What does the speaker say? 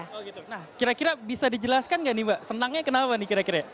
nah kira kira bisa dijelaskan nggak nih mbak senangnya kenapa nih kira kira